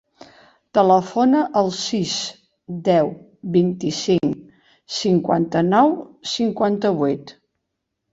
Telefona al sis, deu, vint-i-cinc, cinquanta-nou, cinquanta-vuit.